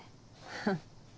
フッ。